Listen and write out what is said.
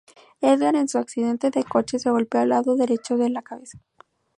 Edgar en su accidente de coche se golpeó el lado derecho de la cabeza.